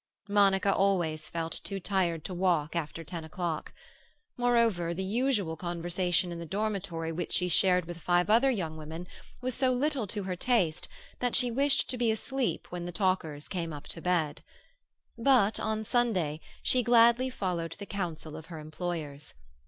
Monica always felt too tired to walk after ten o'clock; moreover, the usual conversation in the dormitory which she shared with five other young women was so little to her taste that she wished to be asleep when the talkers came up to bed. But on Sunday she gladly followed the counsel of her employers.